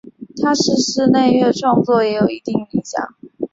他的室内乐创作也有一定影响。